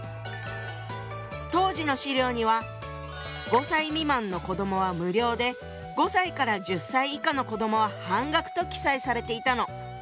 当時の資料には５歳未満の子どもは無料で５歳から１０歳以下の子どもは半額と記載されていたの。